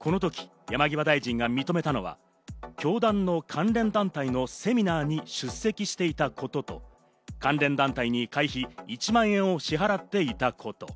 このとき、山際大臣が認めたのは、教団の関連団体のセミナーに出席していたことと、関連団体に会費１万円を支払っていたこと。